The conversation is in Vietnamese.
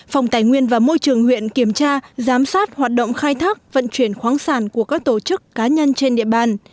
phòng tài nguyên và môi trường huyện kiểm tra giám sát hoạt động khai thác vận chuyển khoáng sản của các tổ chức cá nhân trên địa bàn